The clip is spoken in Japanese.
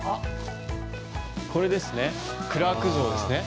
これですね、クラーク像ですね。